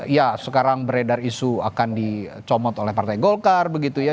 ya sekarang beredar isu akan dicomot oleh partai golkar begitu ya